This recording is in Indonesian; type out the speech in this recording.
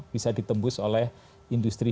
bisa ditembus oleh industri